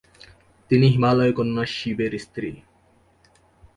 তিনি হিমালয় কন্যা শিবের স্ত্রী।